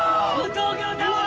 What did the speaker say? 東京タワー！